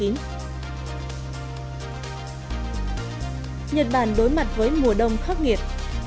nhật bản đối mặt với mùa đông khắc nghiệt